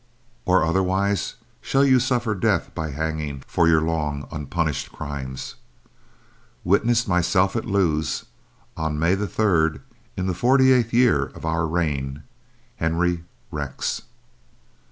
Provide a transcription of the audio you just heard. Or, otherwise, shall you suffer death, by hanging, for your long unpunished crimes. Witnessed myself, at Lewes, on May the third, in the forty eighth year of our reign. HENRY, REX.